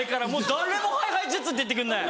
誰も「ＨｉＨｉＪｅｔｓ」って言ってくんない！